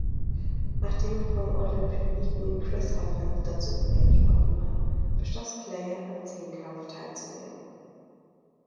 Nachdem er vom Olympioniken Chris Huffins dazu überredet worden war, beschloss Clay, am Zehnkampf teilzunehmen.